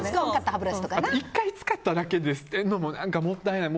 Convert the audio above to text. １回使っただけで捨てるのももったいない。